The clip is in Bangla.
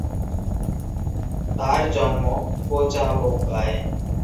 তার জন্ম কোচাবম্বায়।